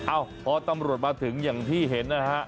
พอตำรวจมาถึงอย่างที่เห็นนะฮะ